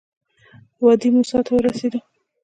وادي موسی ته ورسېدو.